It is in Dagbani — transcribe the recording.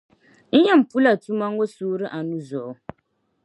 N yɛn pula tuma ŋɔ suuri anu zuɣu